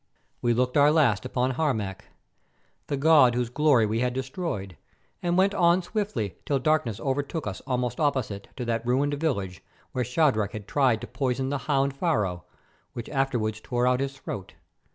We looked our last upon Harmac, the god whose glory we had destroyed, and went on swiftly till darkness overtook us almost opposite to that ruined village where Shadrach had tried to poison the hound Pharaoh, which afterwards tore out his throat.